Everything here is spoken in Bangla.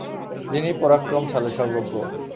যিনি পরাক্রমশালী সর্বজ্ঞ।